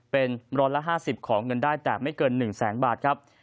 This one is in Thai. เป็น๑๕๐ของเงินได้แต่ไม่เกิน๑แสนบาทครับ